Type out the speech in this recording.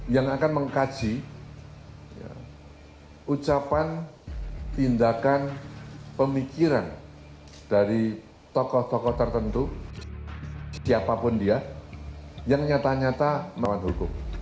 yang akan mengkaji ucapan tindakan pemikiran dari tokoh tokoh tertentu siapapun dia yang nyata nyata melawan hukum